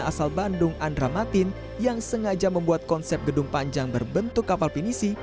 asal bandung andra matin yang sengaja membuat konsep gedung panjang berbentuk kapal pinisi